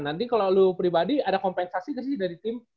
nanti kalau lu pribadi ada kompensasi gak sih dari tim